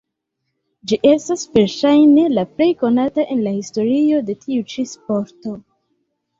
Ĝi estas verŝajne la plej konata en la historio de tiu ĉi sporto.